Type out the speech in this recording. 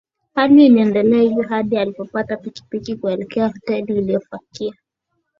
Hali iliendelea hivyo hadi alipopata pikipiki kuelekea hoteli aliyofikia